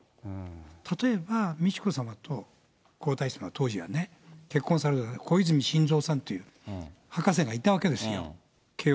例えば、美智子さまと皇太子さま、当時はね、結婚された、こいずみしんぞうさんという博士がいたわけですよ。